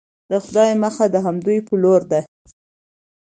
د خدای مخه د همدوی په لورې ده.